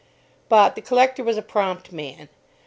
But, the collector was a prompt man.